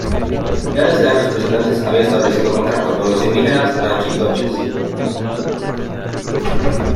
Ya desde años precedentes había establecido contacto con los indígenas Natchitoches.